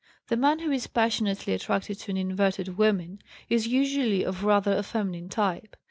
The man who is passionately attracted to an inverted woman is usually of rather a feminine type.